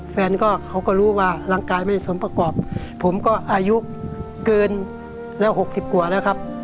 แฟนก็เขาก็รู้ว่าร่างกายไม่สมประกอบผมก็อายุเกินแล้ว๖๐กว่าแล้วครับ